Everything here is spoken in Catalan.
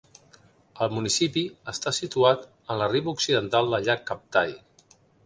El municipi està situat en la riba occidental del llac Kaptai.